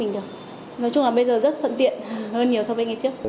nói chung là bây giờ rất phận tiện hơn nhiều so với ngày trước